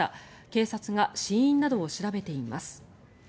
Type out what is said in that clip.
警察が死因などを調べています。